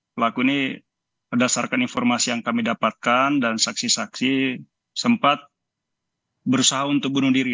pelaku ini berdasarkan informasi yang kami dapatkan dan saksi saksi sempat berusaha untuk bunuh diri